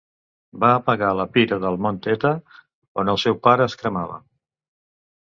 Va apagar la pira del Mont Eta, on el seu pare es cremava.